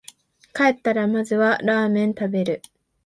帰ったらまずはラーメン食べる